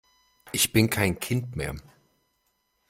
Ich bin kein Kind mehr!